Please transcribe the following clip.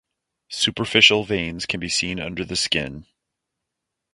Superficial veins can be seen under the skin.